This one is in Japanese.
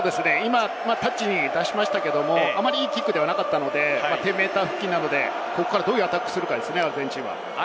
タッチに出しましたが、あまりキックではなかったので、１０ｍ付近で、ここからどういうアタックをするかですね。